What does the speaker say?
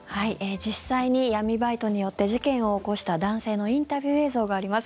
実際に闇バイトによって事件を起こした男性のインタビュー映像があります。